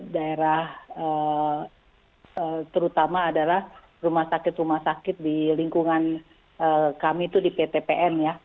daerah terutama adalah rumah sakit rumah sakit di lingkungan kami itu di ptpm ya